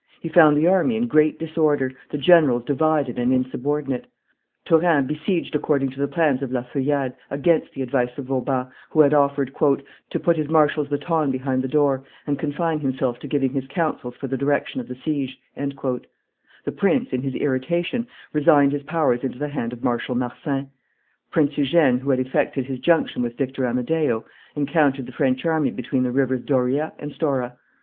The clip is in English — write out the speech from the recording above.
He found the army in great disorder, the generals divided and insubordinate, Turin besieged according to the plans of La Feuillade, against the advice of Vauban, who had offered "to put his marshal's baton behind the door, and confine himself to giving his counsels for the direction of the siege;" the prince, in his irritation, resigned his powers into the hands of Marshal Marsin; Prince Eugene, who had effected his junction with Victor Amadeo, encountered the French army between the Rivers Doria and Stora.